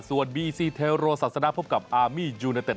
ส่วนบีซีเทโรศาสนาพบกับอามียูเนเต็ด